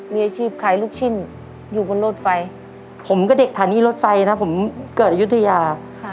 มีอาชีพขายลูกชิ้นอยู่บนรถไฟผมก็เด็กฐานีรถไฟนะผมเกิดอายุทยา